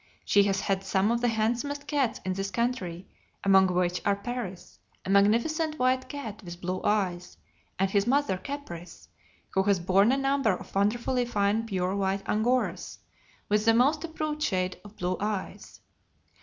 She has had some of the handsomest cats in this country, among which are "Paris," a magnificent white cat with blue eyes, and his mother, "Caprice," who has borne a number of wonderfully fine pure white Angoras with the most approved shade of blue eyes.